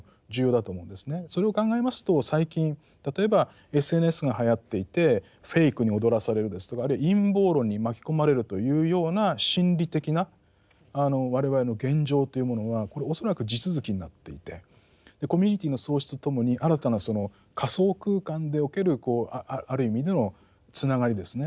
それを考えますと最近例えばＳＮＳがはやっていてフェイクに踊らされるですとかあるいは陰謀論に巻き込まれるというような心理的な我々の現状というものはこれ恐らく地続きになっていてコミュニティーの創出とともに新たなその仮想空間でおけるある意味でのつながりですね